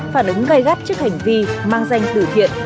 phản ứng gây gắt trước hành vi mang danh từ thiện